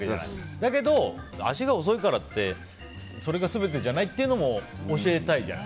だけど、足が遅いからってそれが全てじゃないっていうのも教えたいじゃない。